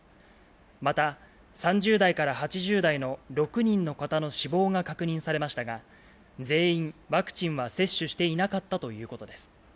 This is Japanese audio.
また、３０代から８０代の６人の方の死亡が確認されましたが、全員、ワクチンは接種していなかったということです。